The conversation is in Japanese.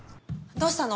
どうしたの？